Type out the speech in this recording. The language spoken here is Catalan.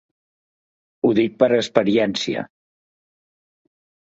Ho dic per experiència.